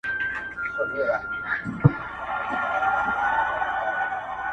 لښکر پردی وي خپل پاچا نه لري٫